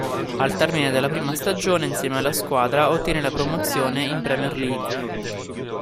Al termine della prima stagione, insieme alla squadra ottiene la promozione in Premier League.